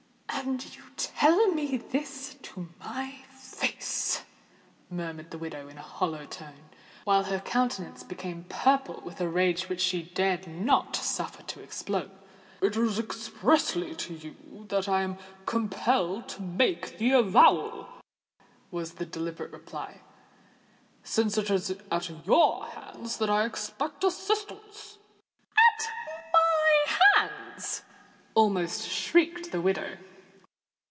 "And you tell me this to my face!" murmured the widow, in a hollow tone, while her countenance became purple with a rage which she dared not suffer to explode. "It is expressly to you that I am compelled to make the avowal," was the deliberate reply; "since it is at your hands that I expect assistance." "At my hands!" almost shrieked the widow.